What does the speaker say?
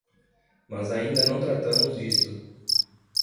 Mas ainda não tratamos disto.